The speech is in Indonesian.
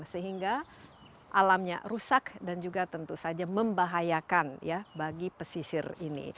sehingga alamnya rusak dan juga tentu saja membahayakan bagi pesisir ini